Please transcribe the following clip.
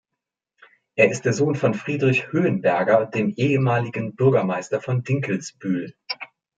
Er ist der Sohn von Friedrich Höhenberger, dem ehemaligen Bürgermeister von Dinkelsbühl.